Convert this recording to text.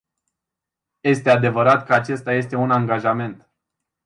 Este adevărat că acesta este un angajament.